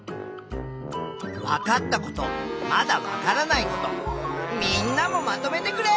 わかったことまだわからないことみんなもまとめてくれ！